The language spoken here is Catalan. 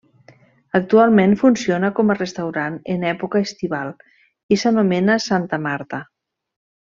Actualment funciona com a restaurant en època estival i s'anomena Santa Marta.